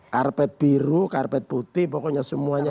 karpet biru karpet putih pokoknya semuanya